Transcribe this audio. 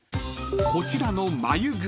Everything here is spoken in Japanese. ［こちらの］